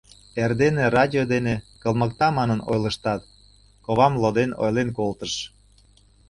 Эрдене радио дене кылмыкта манын ойлыштат, ковам лоден ойлен колтыш.